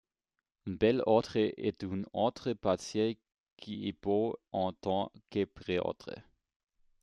Un bel ordre est un ordre partiel qui est beau en tant que préordre.